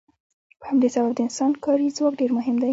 په همدې سبب د انسان کاري ځواک ډیر مهم دی.